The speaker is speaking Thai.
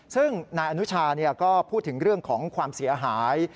ซึ่งนายอนุชาก็พูดถึงเรื่องของความเสียหาย